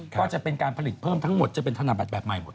ก็จะเป็นการผลิตเพิ่มทั้งหมดจะเป็นธนบัตรแบบใหม่หมด